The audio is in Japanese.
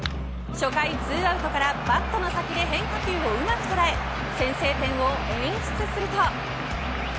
初回２アウトから、バットの先で変化球をうまく捉え先制点を演出すると。